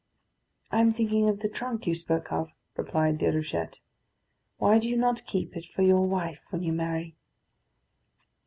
"I am thinking of the trunk you spoke of," replied Déruchette. "Why do you not keep it for your wife, when you marry?"